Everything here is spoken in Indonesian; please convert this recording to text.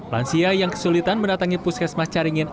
lansia yang kesulitan mendatangi puskesmas caringin